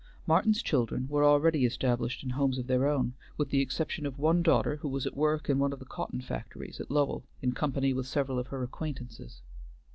Martin's children were already established in homes of their own, with the exception of one daughter who was at work in one of the cotton factories at Lowell in company with several of her acquaintances.